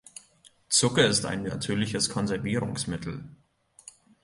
Zucker ist ein natürliches Konservierungsmittel.